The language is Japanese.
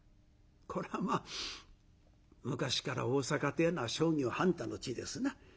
これはまあ昔から大坂てえのは商業繁多の地ですな。